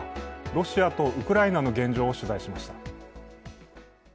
ロシアとウクライナの現状を取材しました。